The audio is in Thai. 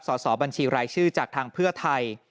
สอบบัญชีรายชื่อจากทางเพื่อไทย